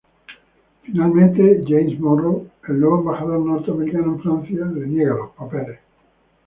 Finalmente James Monroe el nuevo embajador norteamericano en Francia le niega los papeles.